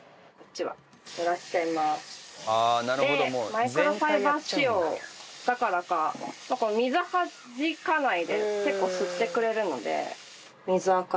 マイクロファイバー仕様だからか水はじかないで結構吸ってくれるので。